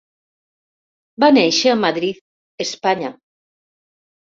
Va néixer a Madrid, Espanya.